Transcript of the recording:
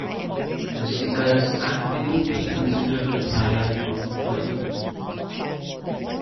De Sica's acting was considered the highlight of the film.